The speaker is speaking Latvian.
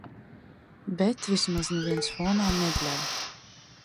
Bet vismaz neviens fonā nebļauj.